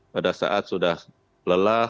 pada saat sudah lelah